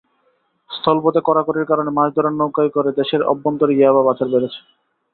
স্থলপথে কড়াকড়ির কারণে মাছ ধরার নৌকায় করে দেশের অভ্যন্তরে ইয়াবা পাচার বেড়েছে।